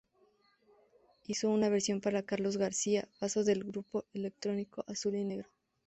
Hizo una versión para Carlos García Vaso del grupo electrónico Azul y Negro.